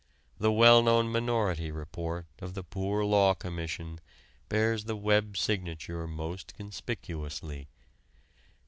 The well known Minority Report of the Poor Law Commission bears the Webb signature most conspicuously.